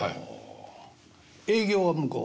営業は向こう？